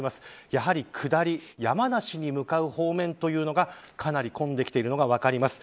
やはり下り山梨に向かう方面というのがかなり混んできているのが分かります。